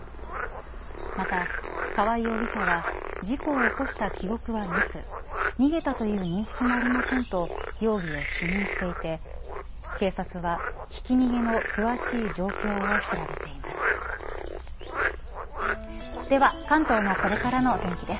また、川合容疑者は事故を起こした記憶はなく逃げたという認識もありませんと容疑を否認していて警察はひき逃げの詳しい状況を調べています。